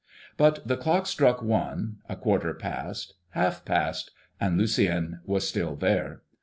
But the clock struck one, a quarter past, half past, and Lucien was still there.